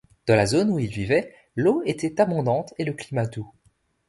Dans la zone où ils vivaient, l'eau était abondante et le climat doux.